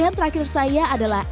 yang kedua jambu arab